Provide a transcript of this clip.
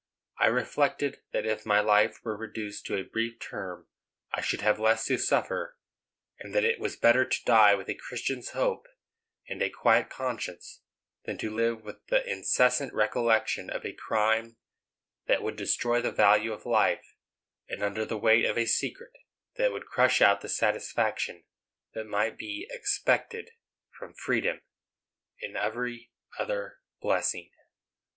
I reflected that if my life were reduced to a brief term I should have less to suffer, and that it was better to die with a Christian's hope, and a quiet conscience, than to live with the incessant recollection of a crime that would destroy the value of life, and under the weight of a secret that would crush out the satisfaction that might be expected from freedom, and every other blessing.